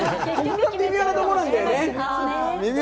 微妙なところだよね。